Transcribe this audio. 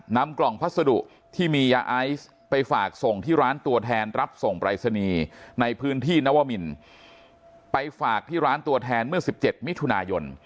นำกล่องพัสดุที่มียาไอซ์ไปฝากส่งที่ร้านตัวแทนรับส่งปรายศนีย์ในพื้นที่นวมินไปฝากที่ร้านตัวแทนเมื่อ๑๗มิถุนายน